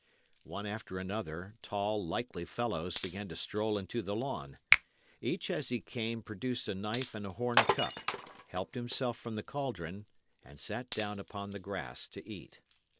One after another, tall, likely fellows began to stroll into the lawn. Each as he came produced a knife and a horn cup, helped himself from the caldron, and sat down upon the grass to eat.